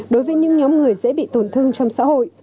đối với những nhóm người dễ bị tổn thương trong xã hội